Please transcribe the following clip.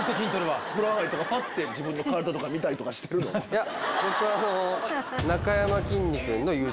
いや僕は。